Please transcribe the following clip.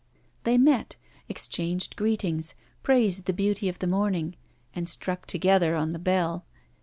They met, exchanged greetings, praised the beauty of the morning, and struck together on the Bell.